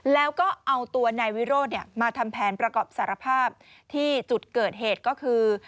แล้วก็เอาตัวนายวิโรธมาทำแผนประกอบสารภาพที่จุดเกิดเหตุก็คือ